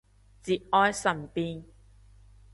節哀順變